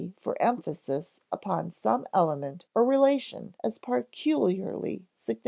_ for emphasis upon some element or relation as peculiarly significant.